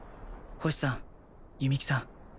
星さん弓木さん